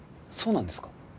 そうなんですか？